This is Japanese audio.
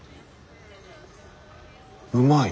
うまい。